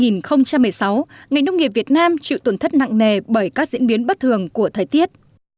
năm hai nghìn một mươi sáu ngành nông nghiệp việt nam chịu tổn thất nặng nề bởi các diễn biến bất thường của thời tiết